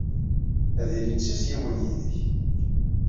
Ad ilin d tizzyiwin yid-k.